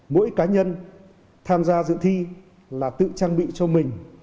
mỗi cá nhân tham gia dự thi là tự trang bị cho mình